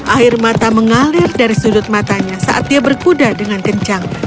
air mata mengalir dari sudut matanya saat dia berkuda dengan kencang